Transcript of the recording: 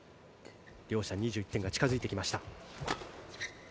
両者２１点が近付いてきました。